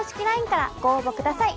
ＬＩＮＥからご応募ください。